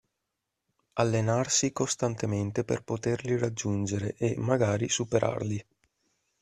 Allenarsi costantemente per poterli raggiungere e, magari, superarli.